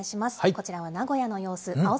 こちらは名古屋の様子。